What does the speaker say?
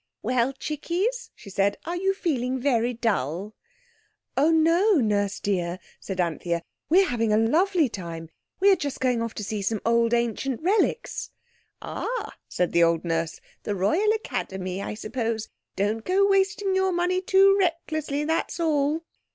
"Well, chickies," she said, "are you feeling very dull?" "Oh, no, Nurse dear," said Anthea; "we're having a lovely time. We're just going off to see some old ancient relics." "Ah," said old Nurse, "the Royal Academy, I suppose? Don't go wasting your money too reckless, that's all."